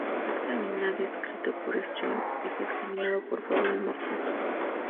Fue examinado y descrito por Scholz, y fue examinado por Paulin Martin.